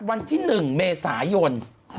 วันที่๑เมษายน